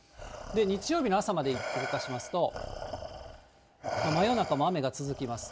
日曜日の朝まで動かしますと、真夜中も雨が続きます。